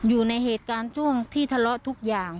อยู่ในเหตุการณ์ช่วงที่ทะเลาะทุกอย่าง